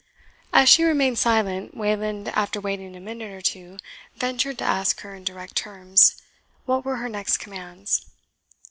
As she remained silent, Wayland, after waiting a minute or two, ventured to ask her, in direct terms, what were her next commands.